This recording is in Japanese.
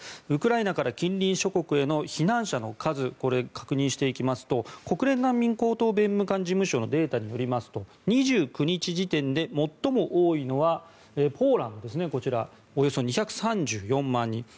ウクライナから近隣諸国への避難者の数を確認していきますと国連難民高等弁務官事務所のデータによりますと２９日時点で最も多いのはポーランドですねこちら、およそ２３４万人。